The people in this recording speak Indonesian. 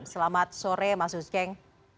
selamat sore mas usteng